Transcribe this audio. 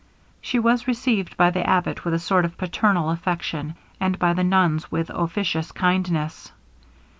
She was received by the abbot with a sort of paternal affection, and by the nuns with officious kindness.